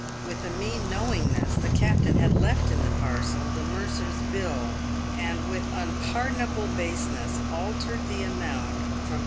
With a mean knowingness the captain had left in the parcel the mercer's bill, and with unpardonable baseness altered the amount from 4<l.